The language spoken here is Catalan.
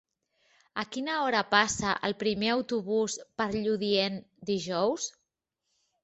A quina hora passa el primer autobús per Lludient dijous?